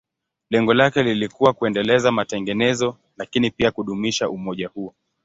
Lengo lake lilikuwa kuendeleza matengenezo, lakini pia kudumisha umoja huo.